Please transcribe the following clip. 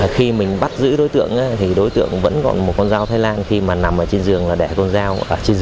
khi mình bắt giữ đối tượng thì đối tượng vẫn gọi một con dao thái lan khi mà nằm ở trên giường là đẻ con dao